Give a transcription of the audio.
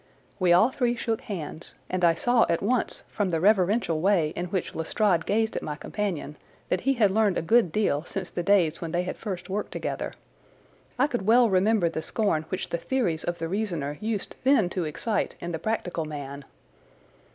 We all three shook hands, and I saw at once from the reverential way in which Lestrade gazed at my companion that he had learned a good deal since the days when they had first worked together. I could well remember the scorn which the theories of the reasoner used then to excite in the practical man.